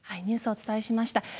ニュースをお伝えしました。